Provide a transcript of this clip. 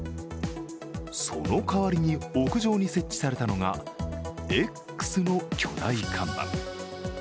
その代わりに屋上に設置されたのがＸの巨大看板。